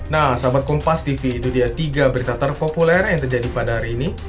nah sahabat kompas tv itu dia tiga berita terpopuler yang terjadi pada hari ini